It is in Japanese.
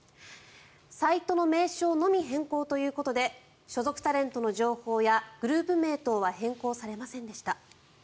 サイトの名称のみ変更ということで所属タレントの情報やグループ名等は変更されませんでした。